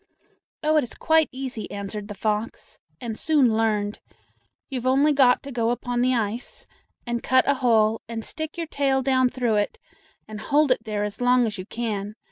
"Oh, it is quite easy," answered the fox, "and soon learned. You've only got to go upon the ice, and cut a hole and stick your tail down through it, and hold it there as long as you can.